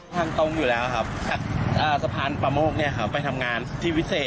ทางตรงอยู่แล้วครับอ่าสะพานปำโมกเนี่ยครับไปทำงานที่วิเศษ